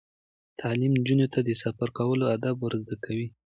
تعلیم نجونو ته د سفر کولو آداب ور زده کوي.